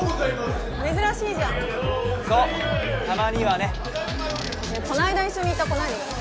珍しいじゃんそうたまにはねこないだ一緒にいた子何？